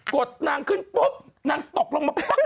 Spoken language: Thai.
ดนางขึ้นปุ๊บนางตกลงมาปุ๊บ